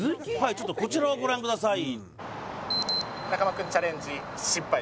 ちょっとこちらをご覧ください